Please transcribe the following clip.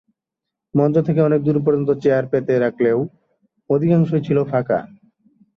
মঞ্চ থেকে অনেক দূর পর্যন্ত চেয়ার পেতে রাখলেও অধিকাংশই ছিল ফাঁকা।